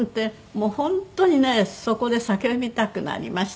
もう本当にねそこで叫びたくなりましたよね。